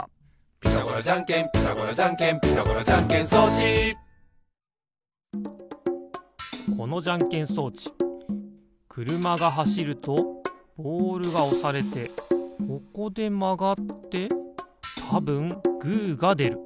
「ピタゴラじゃんけんピタゴラじゃんけん」「ピタゴラじゃんけん装置」このじゃんけん装置くるまがはしるとボールがおされてここでまがってたぶんグーがでる。